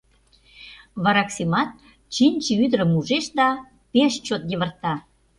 Вараксимат Чинче ӱдырым ужеш да пеш чот йывырта.